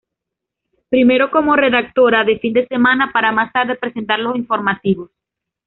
Primero como redactora de fin de semana, para más tarde presentar los informativos.